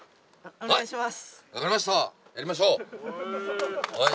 お願いします。